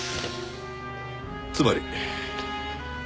つまり。